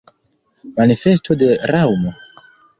Manifesto de Raŭmo?